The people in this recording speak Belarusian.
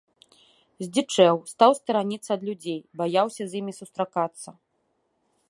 Здзічэў, стаў стараніцца ад людзей, баяўся з імі сустракацца.